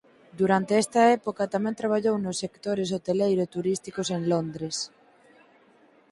Durante esta época tamén traballou nos sectores hoteleiro e turísticos en Londres.